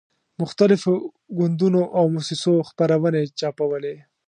مختلفو ګوندونو او موسسو خپرونې چاپولې.